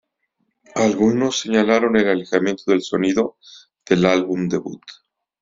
Algunos señalaron el alejamiento del sonido del álbum debut.